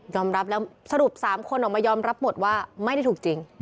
รับแล้วสรุป๓คนออกมายอมรับหมดว่าไม่ได้ถูกจริง